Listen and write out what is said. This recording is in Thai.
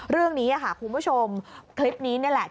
เรื่องนี้คุณผู้ชมคลิปนี้แหละ